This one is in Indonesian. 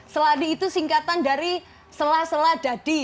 sladi itu singkatan dari selah selah dadi